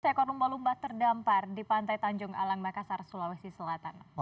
seekor lumba lumba terdampar di pantai tanjung alang makassar sulawesi selatan